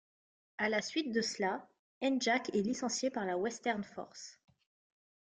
À la suite de cela Henjak est licencié par la Western Force.